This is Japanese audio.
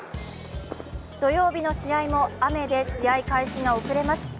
土曜日の試合も、雨で試合開始が遅れます。